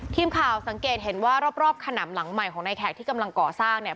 ทีมข่าวสังเกตเห็นว่ารอบขนำหลังใหม่ของนายแขกที่กำลังก่อสร้างเนี่ย